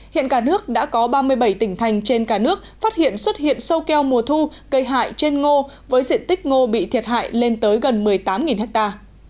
hiện cả nước đã có ba mươi bảy tỉnh thành trên cả nước phát hiện xuất hiện sâu keo mùa thu gây hại trên ngô với diện tích ngô bị thiệt hại lên tới gần một mươi tám ha